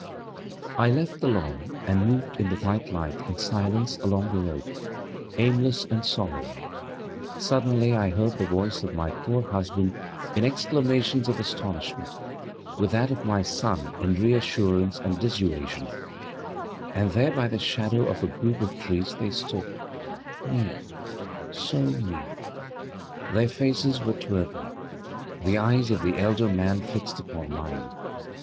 I left the lawn and moved in the white light and silence along the road, aimless and sorrowing. Suddenly I heard the voice of my poor husband in exclamations of astonishment, with that of my son in reassurance and dissuasion; and there by the shadow of a group of trees they stood near, so near! Their faces were toward me, the eyes of the elder man fixed upon mine.